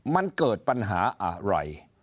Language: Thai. มันเกิดปัญหาอะไร